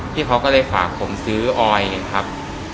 ที่เขาก็เลยฝากผมซื้อออยครับ